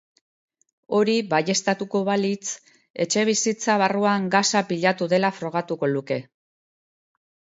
Hori baieztatuko balitz, etxebizitza barruan gasa pilatu dela frogatuko luke.